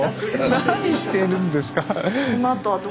何してるんですか。